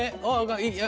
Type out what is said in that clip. はい。